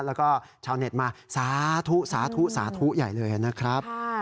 แล้วก็ชาวเน็ตมาสาธุสาธุสาธุใหญ่เลยนะครับ